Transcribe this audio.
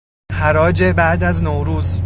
حراج بعد از نوروز